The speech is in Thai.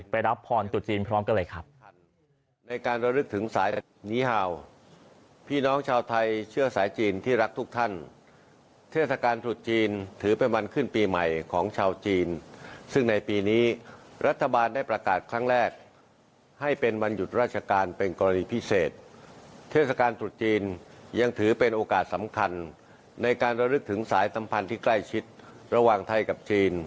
รับพรจุดจีนพร้อมกันเลยครับ